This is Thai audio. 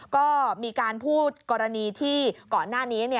ก็มีการพูดกรณีที่ก่อนหน้านี้